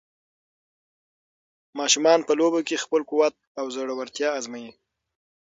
ماشومان په لوبو کې خپل قوت او زړورتیا ازمويي.